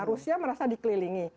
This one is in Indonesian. rusia merasa dikelilingi